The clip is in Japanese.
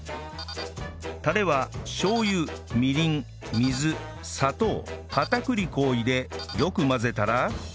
タレはしょう油みりん水砂糖片栗粉を入れよく混ぜたら